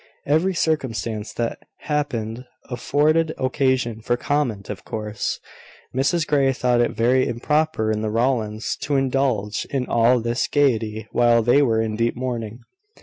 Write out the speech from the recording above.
Every circumstance that happened afforded occasion for comment, of course. Mrs Grey thought it very improper in the Rowlands to indulge in all this gaiety while they were in deep mourning.